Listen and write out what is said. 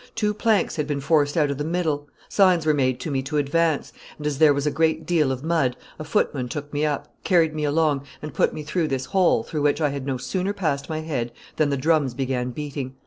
Two planks had been forced out of the middle; signs were made to me to advance; and as there was a great deal of mud, a footman took me up, carried me along, and put me through this hole, through which I had no sooner passed my head than the drums began beating.